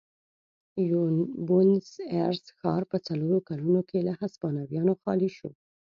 بونیس ایرس ښار په څلورو کلونو کې له هسپانویانو خالي شو.